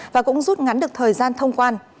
và cũng rút ngắn được thời gian thông quan